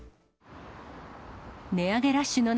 値上げラッシュの中、